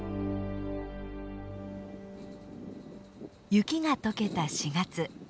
雪が解けた４月。